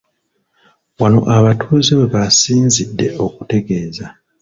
Wano abatuuze we basinzidde okutegeeza.